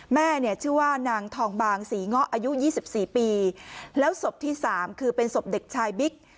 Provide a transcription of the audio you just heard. แม่เนี่ยชื่อว่านางทองบางศรีเงาะอายุ๒๔ปีแล้วศพที่สามคือเป็นศพเด็กชายบิ๊ก